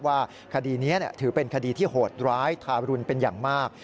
ว่าคดีนี้ถือเป็นคดีที่โหดร้ายทารุณเป็นอย่างมาก